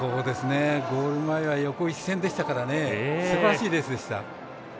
ゴール前は横一線でしたからすばらしいレースでした。